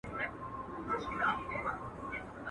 اول بویه چي انسان نه وي وطن کي ..